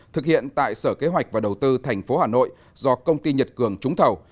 thực hiện tại sở kế hoạch và đầu tư tp hà nội do công ty nhật cường trúng thầu